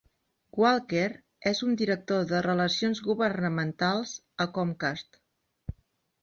Walker és un director de relacions governamentals a Comcast.